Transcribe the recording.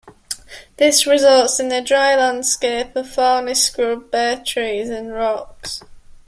This results in a dry landscape of thorny scrub, bare trees and rocks.